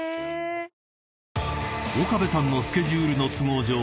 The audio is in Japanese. ［岡部さんのスケジュールの都合上